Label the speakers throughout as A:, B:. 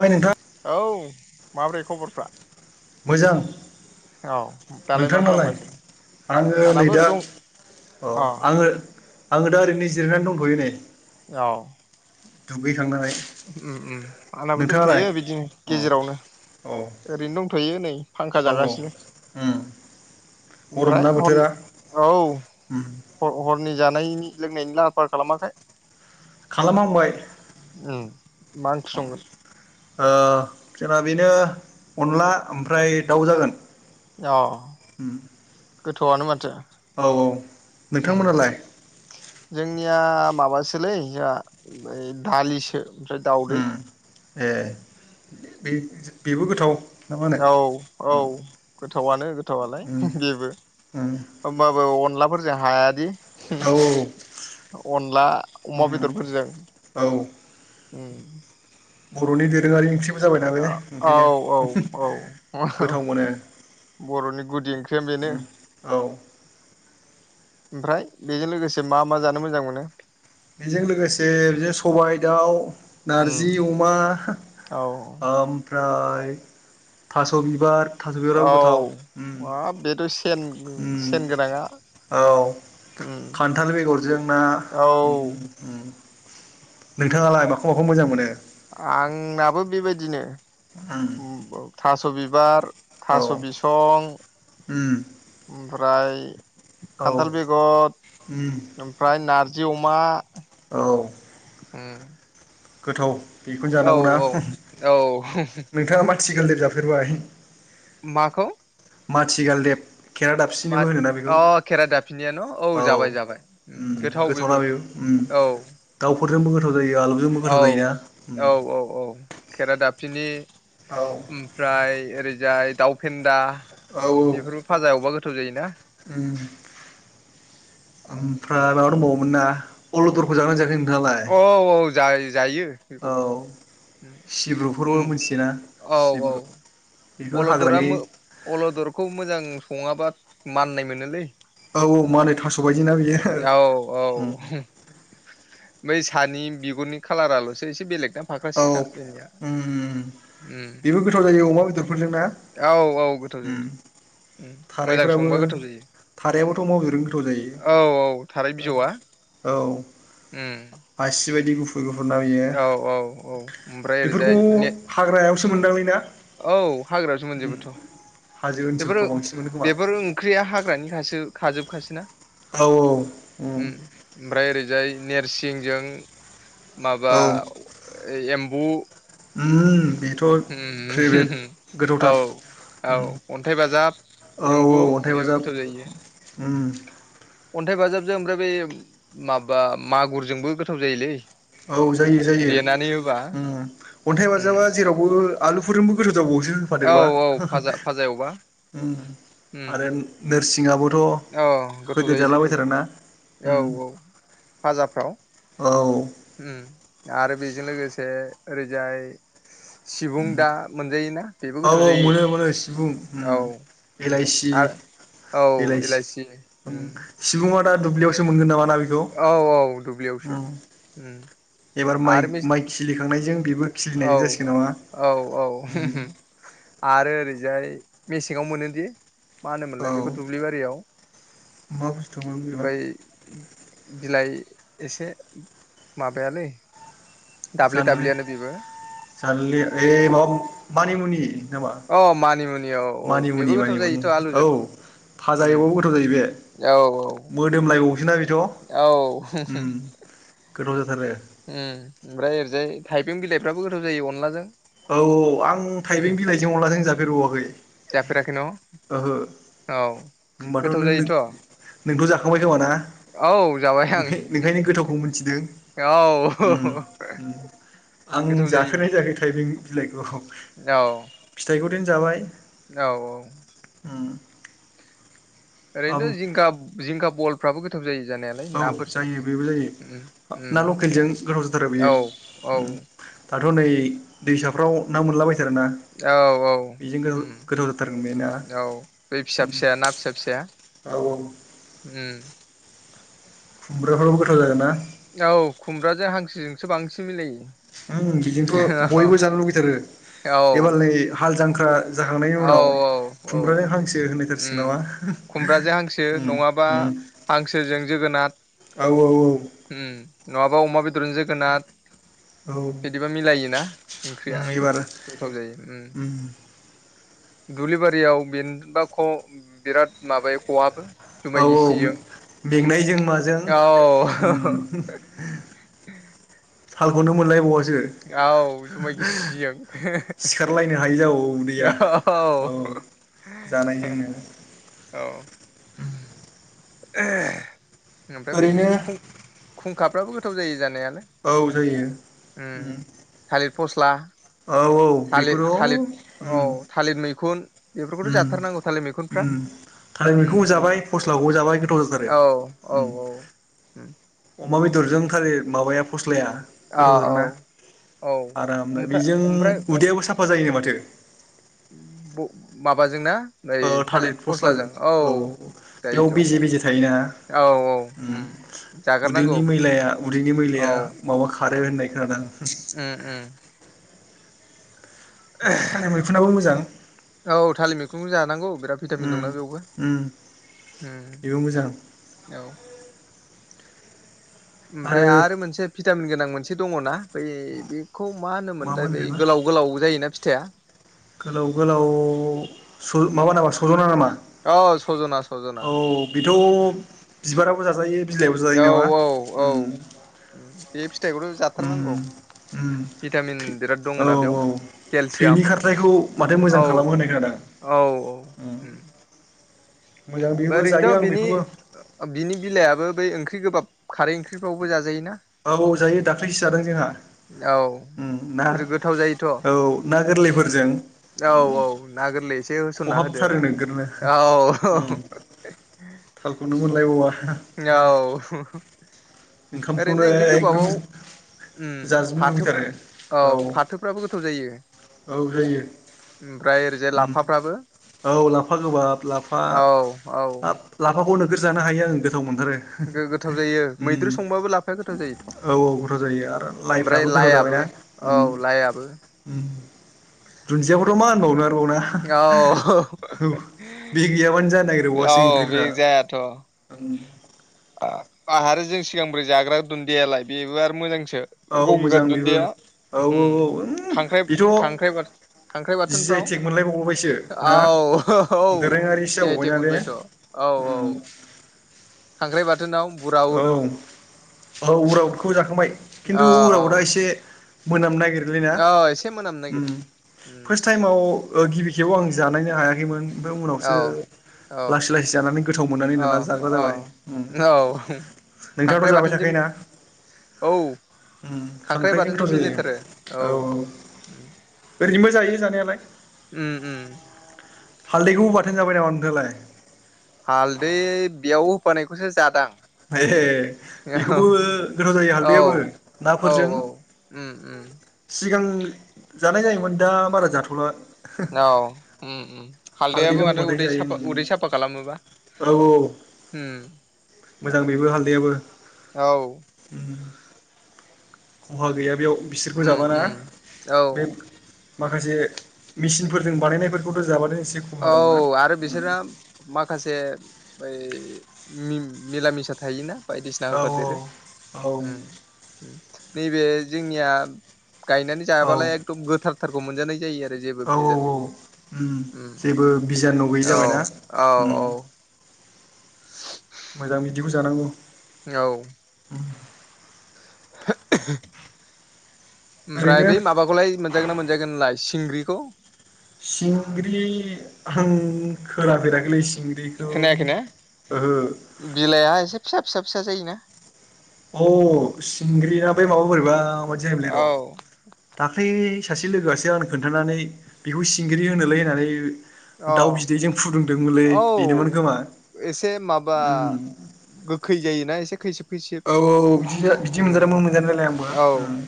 A: बाय नोंथा
B: औ माब्रै खबरफ्रा?
A: मोजां
B: औ दालाय मा
A: नोंथांनालाय
B: खालामगासिनो
A: आंङो नै
B: आंनाबो
A: दा
B: दं
A: अ
B: अ
A: आंङो आंङो दा ओरैनो जिरनानै दंथ'यो नै।
B: औ
A: दुगै
B: उम उम आंनाबो
A: नोंथाङालाय
B: दंथ'यो बिदिनो
A: उम
B: गेजेरावनो
A: औ
B: ओरैनो दंथ'यो नै। फांखा
A: औ औ
B: जागासिनो
A: उम।
B: ओमफ्राय
A: गरमना
B: हरनि
A: बोथोरा
B: औ
A: उम
B: हर हर नि जानायनि लोंनायनि लाहार फाहार खालामाखै?
A: खालाम हांबाय।
B: उम मा ओंख्रि संगोन?
A: ओ जोंना बेनो अनला ओमफ्राय दाउ जागोन।
B: अ
A: उम
B: गोथावआनो माथो।
A: औ औ नोंथां
B: उम
A: मोननालाय?
B: जोंनिया माबासोलै जोंहा बै दालिसो ओमफ्राय दाउदै
A: उम ए बे बेबो गोथाव ना मा होनो
B: औ औ गोथावानो गोथावालाय
A: उम
B: हुम हुम बेबो
A: उम
B: होमबाबो अनलाफोरजों हायादि
A: औ
B: हुम अनला अमा
A: उम
B: बेदरफोरजों
A: औ
B: उम
A: बर'नि दोरोंङारि ओंख्रिबो जाबायनालाय
B: औ
A: ओंखायनो
B: औ
A: हुम हुम
B: औ
A: गोथाव मोनो ।
B: बर'नि गुदि ओंख्रिया बेनो
A: औ
B: ओमफ्राय बेजों लोगोसे मा मा जानो मोजां मोनो?
A: बेजों लोगोसे बिदिनो सबाय दाउ नारजि
B: उम
A: अमा
B: औ
A: ओमफ्राय थास' बिबार थास' बिबाराबो गोथाव
B: औ
A: उम
B: हाब बेथ' सेन
A: उम
B: सेन गोनाङा
A: औ
B: उम
A: खान्थाल बेगरजों ना
B: औ
A: उम उम नोंथांङालाय माखौ माखौ मोजां मोनो?
B: आंनाबो बेबायदिनो उम ब थास' बिबार
A: औ
B: थास' बिसं
A: उम
B: ओमफ्राय
A: औ
B: खान्थाल बेगर
A: उम
B: ओमफ्राय नारजि अमा
A: औ
B: उम
A: गोथाव बेखौनो
B: औ
A: जानांगौना
B: औ औ
A: नोंथाङा मा थिगालदेब जाफेरबाय?
B: माखौ
A: माथिगालदेब
B: मा
A: खेरादाबसिनिबो होनोना बेखौ
B: अ खेराइ दाफिनाया न औ जाबाय जाबाय
A: उम
B: गोथाव बेबो औ
A: दाव फोरजोंबो गोथाव जायो आलुजोंबो गो
B: औ औ औ औ खेरायदाफिनि
A: औ
B: ओमफ्राय ओरै जाय दाउ फेन्दा बेफोरबो फाजा एवबा गोथाव जायोना
A: ओम ओमफ्राय माबा दंबावोमोन ना अलदरखौ जाबायना जायाखै नों
B: औ औ औ जा जायो
A: औ
B: बेखौबो
A: सिब्रुफोरबो
B: उम
A: मिथियोना
B: औ औ
A: सिब्रु बेबो
B: अलदरा
A: हाग्रानि
B: मो अलदरखौ मोजां सङाबा माननाय मोनोलै
A: औ औ मालाय थास' बदिना बेयो
B: औ औ बै सानि बिगुरनि खालाराल'सो एसे बेलेग ना फाख्रा
A: औ हम
B: सिख्रा जोंनिया
A: हम हम बेबो गोथाव जायो अमाबेद
B: औ औ गोथाव जायो मोजां
A: थारायफोराबो
B: संबा गोथाव जायो
A: थारायाबोथ' अमा बेदरजों गोथाव जायो
B: औ औ थाराय बिजौआ
A: औ
B: उम
A: आसि बायदि गुफुर गुफुरना बियो
B: औ औ औ ओमफ्राय ओरैजाय
A: बेफोरखौ
B: ने
A: हाग्रायावसो मोनोदांलै ना
B: औ हाग्रायावसो मोनजोबोथ'
A: हाजो
B: बेफोरो
A: ओनसोलफ्राव बांसिन मोनो खोमा
B: बेफोर ओंख्रिया हाग्रानिखासो खाजोबखासै ना
A: औ
B: उम ओमफ्राय ओरैजाय नेरसिंजों माबा
A: औ
B: एम्बु
A: उम बे थ'
B: उम
A: प्रेभेट
B: औ
A: गोथावथार
B: औ अन्थाइ बाजाब
A: औ
B: एम्बु
A: औ अन्थाइ
B: बेबो
A: बाजाब
B: गोथाव जायो
A: उम
B: अन्थाइ बाजाबजों ओमफ्राय बे माबा मागुरजोंबो गोथाव जायोलै
A: औ जायो जायो
B: देनानै होबा
A: उम अन्थाइ
B: उम
A: बाजाबा जेरावबो आलुफोरजोंबो गोथाव जाबावोसो
B: औ
A: होफादेरबा
B: औ फाजा फाजा एवबा
A: [unintelligible] आरो
B: उम
A: नोरसिंङाबोथ'
B: औ गोथाव
A: होदेर
B: जायोलै बेबो
A: जालाबायथारोना ।
B: औ औ फाजाफ्राव ।
A: औ ।
B: उम आरो बेजों लोगोसे ओरैजाय सिबुं दा मोनजायोना ।
A: औ औ मोनो मोनो सिबुं उम
B: उम
A: एलाइसि
B: आरो औ इलाइसि
A: एलाइसि
B: उम
A: सिबुङा दा दुब्लियावसो मोनगोन नामा ना? बेखौ
B: औ औ दुब्लियावसो उम ।
A: एबार माइ माइ खिलिखांनायजों बेबो
B: औ
A: खिलिनायजों जासिगोन नामा
B: औ औ [unintelligible] आरो ओरैजाय मेसेंङाव मोनोदि मा
A: औ
B: होनोमोनलाय बेखौ दुब्लिबारियाव
A: मा बुस्थुमोन बेबा
B: बै बिलाइ एसे माबायालै ।
A: जानलै जानोलै ओइ माबा मानिमुनि । नामा
B: अ मानिमुनि औ औ बेबो
A: मानिमुनि
B: गोथाव
A: मानिमुनि
B: जायोथ'
A: औ
B: आलुजों
A: । भाजा
B: उम
A: एवबाबो गोथाव जायो बे
B: औ औ
A: । मोदोमलायबावो सोना बेथ'
B: उम
A: ।
B: उम ओमफ्राय ओरैजाय थाइबें बिलाइफ्राबो गोथाव जायो अनलाजों ।
A: औ औ आं थाइबें बिलाइजों अनलाजों जाफेरबावाखै ।
B: जाफेराखै न औ
A: होमबाथ'
B: गोथाव
A: नों
B: जायोथ' ।
A: नोंथ' जाखांबाय खोमाना?
B: जाबाय आं
A: नोंखाय नों खायनो गोथावखौ मोनथिदों।
B: औ ।
A: आं जाफेरनाय जायाखै थाइबें बिलाइखौ
B: औ
A: फिथाइखौ देन जाबाय ।
B: औ औ ।
A: ओम
B: ओरैनोथ' जिंखा जिंखा बलफ्राबो गोथाव जायो ।
A: औ जायो बेबो जायो आ
B: उम
A: ना लकेलजों गोथाव जाथारो
B: औ
A: बेयो। दाथ' नै दैसाफ्राव ना मोनलाबायथारो ना ।
B: औ औ
A: बेजों गो
B: उम
A: गोथाव जाथारगोन बे ना?
B: औ बै फिसा फिसाया ना फिसा फिसाया
A: औ औ ।
B: उम
A: खुमब्राफ्राबो गोथाव जागोन ना?
B: औ खुमब्राजों हांसोजोंसो बांसिन मिलायो।
A: उम बिजोंथ' बयबो जानो लुुबैथारो
B: औ
A: एबार नै हाल जांख्रा जाखांनायनि
B: औ
A: उनाव
B: औ
A: खुमब्राजों हांसो होनलायथारसिगोन
B: उम
A: नामा हाह
B: खुमब्राजों हांसो
A: उम
B: नङाबा
A: उम ।
B: हांसोजों जोगोनार
A: औ
B: उम नङाबा अमा बेदरजों जोगोनार ।
A: औ
B: [inaudible] बिदिबा मिलायोना ओंख्रिया
A: उम एबार
B: गो-गोथाव जायो उम। दुब्लि बारियाव बेनोबा ख' बिराद माबायो ख'हाबो।
A: औ
B: जुमाय
A: औ
B: गिसिजों
A: मेंनायजों माजों
B: औ।
A: उम
B: [inaudible]
A: थालखौनो मोनलायबावासो।
B: औ जुमाय गिसिजों
A: सिखारलायनो हायि जबावो उदैैया औ [inaudible]
B: हो होह
A: जानायजोंनो
B: औ ओह ओमफ्राय बै
A: ओरैनो
B: खुं- खुंखाफ्राबो गोथाव जायो जानाया।
A: औ जायो उम।
B: थालिर फस्ला
A: औ औ
B: थालिर
A: बेखौथ'
B: थालिर
A: उम
B: औ थालिर मैखुन बेफोरखौथ'
A: उम
B: जाथारनांगौ थालिर मैखुन
A: उम थालिर मैखुनखौबो जाबाय फस्ला न'आव जाबाय गोथाव जाथारो
B: औ औ औ उम
A: अमा बेदरजों थालिर माबाया फस स्लाया
B: औ
A: गोथावथार
B: औ
A: ना
B: औ
A: आरामनो
B: ओमफ्राय
A: जों
B: ओमफ्राय
A: उदैयाबो साफा जायोन माथो।
B: माबाजोंना?
A: ओ थालिर फस्लाजों औ बेयाव
B: जायोथ'
A: बिजे बिजे थायोना
B: औ औ
A: उम
B: जागारनांगौ
A: उदैनि मैलाया उदैनि
B: औ
A: मैलाया माबा खार रो होननाय खोनादां।
B: उम उम
A: ओमफ्राय थालिर मैखुनाबो मोजां।
B: औ थालिर मैखुनखौ जानांगौ बिराद भिटामिन
A: उम
B: दंना बेयावबो
A: उम
B: उम
A: बेबो मोजां
B: औ। ओमफ्राय आरो मोनसे भिटामिन गोनां मोनसे दङ ना बै बेखौ मा
A: मामोन
B: होनोमोनथाय बै
A: बेबा
B: गोलाव गोलाव जायोना फिथाइया।
A: गोलाव गोलाव स' माबा नामा सज'ना नामा?
B: औ सजना सजना।
A: औ बेथ' बिबाराबो जाजायो बिलाइआबो जायो नामा उम।
B: उम बे फिथाइखौथ' जाथारनांगौ।
A: उम उम
B: भिटामिन बिराद
A: औ
B: दङना बेयाव
A: औ थैनि
B: केलसियाम
A: खारथायखौ माथो मोजां
B: औ
A: खालामो होननाय खोनादों आं
B: औ औ उम।
A: मोजां बेबो जायो
B: ओरैनोथ'
A: आं
B: बिनि
A: बेखौबो
B: बिनि बिलाइयाबो बै ओंख्रि गोबाब खारै ओंख्रिफ्रावबो जाजायो ना
A: औ जायो दाख्लैसो जादों जोंहा।
B: औ
A: ओम ना
B: गोथाव जायोथ'
A: औ ना गोरलैफोरजों।
B: औ औ ना गोरलै एसे होसनना होदो
A: खहाबथारो नोगोरनो
B: औ औ।
A: उम थालखौनो मोनलायबावा।
B: औ [unintelligible]
A: ओंखामखौनो
B: ओरैनो ओंख्रि
A: एकदम
B: गोबाबाव। ओम
A: जाजोबनो
B: फाथो
A: लुबैथारो
B: औ फाथोफ्राबो गोथाव जायो।
A: औ जायो
B: ओमफ्राय ओरैजाय
A: उम
B: लाफाफ्राबो।
A: औ लाफा गोबाब लाफा
B: औ औ
A: हाब लाफाखौ नोगोर जानो हायो आं गोथाव मोनो।
B: गो-गोथाव जायो मैद्रु संबाबो लाफाया गो
A: औ औ गोथाव जायो आरो लाइफ्राबो गोथाव
B: लाइआबो
A: जाबायना ओम
B: लाइआबो
A: ओम [inaudible]
B: [inaudible] औ औ
A: औ बे गैयाबानो जानो नागिरबावासो
B: [unintelligible] औ बि
A: ओंख्रिफ्रा
B: जायाथ'
A: उम
B: बा आरो जों सिगां ब्रै जाग्रा दुुनदियालाय बेबो आरो मोजांसि सो
A: औ
B: गंगार
A: मोजां बेबो
B: दुन्दिया
A: औ
B: होम
A: उम
B: खांख्राइ
A: बेथ'
B: खांख्राइ बा खांख्राइ
A: जि आइ
B: बाथोनफ्राव
A: टेक मोनलायबावबायसो ना
B: औ औ जि आइ टेक मोनबायथ'। औ
A: ओम
B: खांख्राइ बाथोनाव
A: औ
B: बुराउद
A: औ उराउदखौ जाखांबाय खिन्थु
B: औ औ
A: उराउदआ एसे मोनामनो नागिरोलै ना
B: औ एसे मोनामनो नागिरो
A: उम
B: उम
A: फार्स्ट टाइमाव ओ गिबि थेवबो आं जानायनो हायाखैमोन। ओमफ्राय
B: औ
A: उनावसो लासै लासै जानानै गोथाव मोननानै दाना जाग्रा जाबाय।
B: औ
A: ओम
B: औ खांख्राइ बाथोनजों औ।
A: ओम
B: खांख्राइ
A: खांख्राइजों
B: बाथोनजों
A: गोथाव
B: मिलायथारो
A: जायो औ औ ओरैनोबो जायो जानायालाय।
B: ओम ओम
A: हालदैखौबो बाथोन जाबाय नामा नोंथाङालाय?
B: फोनायखौसो जादां
A: ए
B: औ
A: बेखौबो गोथाव जायो
B: औ
A: हालदैयाबो
B: औ
A: नाफोरजों
B: औ उम उम
A: सिगां जानाय जायोमोन दा बारा जाथ'ला।
B: औ
A: हालदै
B: हालदैयाबो माथो
A: दंबाथाय
B: उदै
A: जायो
B: साफा उदै साफा खालामोबा।
A: औ
B: होम
A: मोजां बेबो हालदैयाबो उम खहा गैया बेयाव बिसोरखौ
B: उम
A: जाबा ना
B: उम औ
A: बे माखासे मेसिनफोरजों बानायनायफोरखौथ' जाबानो एसे खहा
B: औ
A: दंना
B: आरो बिसोरो माखा से बै मि-मिला मिसा थायोना बायदिसिना
A: औ
B: होफादेरो
A: औ
B: उम उम नैबे जोंनिया। गायनानै
A: औ
B: जाबालाय एकदम गोथारथारखौ मोनजानाय जायो आरो। जेबो
A: औ औ
B: भेजाल
A: औ
B: गैयै
A: उम जेबो बिजानु गैयि
B: औ
A: जाबायना
B: औ औ
A: मोजां बिदिखौ जानांगौ।
B: औ [inaudible] ओमफ्राय
A: ओरैनो
B: बै माबाखौलाय मोनजागोन ना मोनजायाखै नोंलाय सिंग्रिखौ।
A: सिंग्रि आं खोनाफेराखैलै सिं
B: खोनायाखै ना बिलाइआ एसे फिसा फिसा फिसा जायोना।
A: अ सिंग्रिया बै माबा बोरैबााबायदि जाहोनलै र'
B: औ
A: दाख्लै सासे लोगोआसो आं खोन्थानानै बेखौ सिंग्रि होनोलाय होननानै
B: अ
A: दाउ बिदैजों फुदुंदोंमोनलै
B: औ
A: बेनोमोन खोमा
B: एसे माबा
A: उम
B: गोखै जायोना एसे खैसिब खैसिब
A: औ बिदि बिदि मोनजादोंमोन मोनजानायालाय आंबो
B: औ
A: उम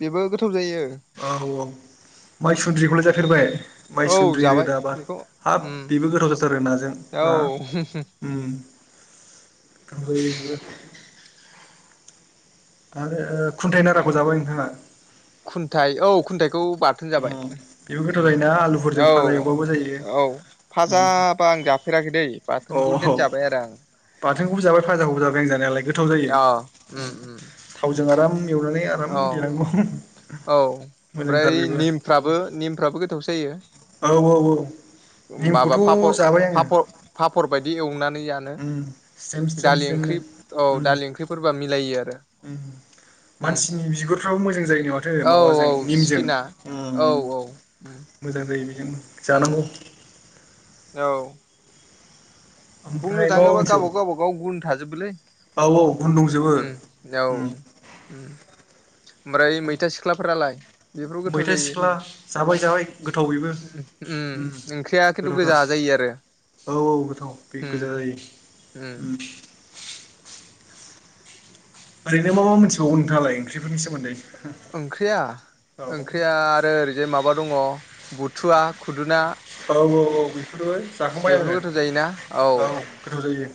B: बेबो गोथाव जायो
A: औ औ माइ सुन्द्रिखौलाय जाफेरबाय
B: औ
A: मायसुन्द्रि
B: जाबाय
A: रोदाबा
B: बेखौ
A: हाब
B: उम
A: बेबो गोथाव जाथारो नाजों बा
B: औ
A: उम [unintelligible] आरो खुन्थाइ नाराखौ जाबाय नोंथाङा
B: खुन्थाइ औ खुन्थाइ खौ बाथोन जाबाय
A: बेबो गोथाव जायोना
B: ओम
A: आलुफोरजों
B: औ
A: फाजा एवबाबो जायो
B: औ फाजाबा आं जाफेराखै दै बाथोनखौ
A: अ
B: देन जाबाय आरो आं
A: बाथोनखौबो जाबाय फाजाखौबो जाबाय आं जानायालाय गोथाव जायो
B: अ उम उम उम
A: थावजों आराम एवनानै आराम
B: औ
A: देनांगौ
B: औ
A: मोजां
B: ओमफ्राय निमफ्राबो निमफ्राबो गोथावसो जायो
A: औ औ औ
B: माबा
A: निमखौथ' जाबाय आङो
B: पापर पापर बायदि एवनानै जानो
A: उम स्रेम स्रेम
B: दालि ओं
A: स्रेमनो
B: ख्रि औ
A: उम
B: दालि ओंख्रिफोरबा मिलायो आरो
A: उम
B: उम
A: मानसिनि बिगुरफ्राबो मोजां जायो नो माथो
B: औ औ
A: माबाजों निमजों
B: सिकिना औ औ उम
A: मोजां जायो बेजों
B: उम
A: जानांगौ
B: औ बुंनो
A: ओमफ्राय माबा
B: थाङोबा गावबागाव
A: मोनसेबाव
B: गावबागाव गुन थाजोबोलै
A: औ औ गुन दंजोबो
B: उम औ
A: उम
B: उम ओमफ्राय मैथा सिख्लाफोरालाय बेफोरबो गोथाव
A: मैथा
B: जायो
A: सिख्ला जाबाय जाबाय गोथाव बेबो
B: उम ओंख्रिया किन्टु गोजा
A: गोथावथार
B: जायो आरो
A: औ औ गोथाव बे
B: उम
A: गोजा जायो उम ओरैनो मा मा मोनथिबावगौ नोंथाङालाय ओंख्रिफोरनि सोमोन्दै
B: ओंख्रिया
A: औ
B: ओंख्रिया आरो ओरैजाय माबा दङ बुथुवा खुदुना
A: औ औ औ बेफोरबो जाखांबाय
B: बेफोर
A: आङो
B: गोथाव जायोना
A: औ गोथाव जायो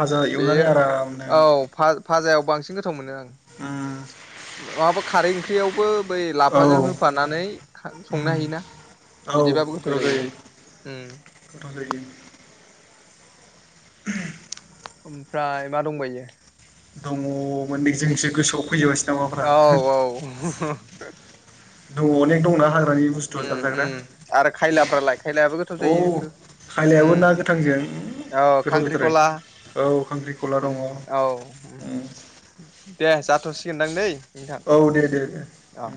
A: फाजा एवनानै
B: बेयो
A: आरामनो
B: औ फाजायाव बांसिन गोथाव मोनो आं
A: उम
B: नङाबा खारै ओंख्रियावबो बै
A: औ
B: लाफाजों होफानानै
A: उम
B: संनो हायोना
A: औ गोथाव जायो
B: उम
A: गोथाव जायो [inaudible]
B: ओमफ्राय मा दंबायो
A: दङ मोननै जोंसो गोसोआव फैजोबासै नामाफ्रा
B: औ औ
A: दङ अनेक दंना आरो
B: उम उम आरो खायलाफ्रालाय खायलायाबो गोथाव
A: औ
B: जायो बे
A: खायलायाबो
B: उम
A: ना गोथांजों
B: औ
A: गोथाव जाथारो
B: खांख्रिखला
A: औ खांख्रिखला दङ उम
B: औ दे जाथ'सिगोनदां दै नोंथां
A: औ दे दे दे
B: अ